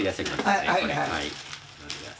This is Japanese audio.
はいはい。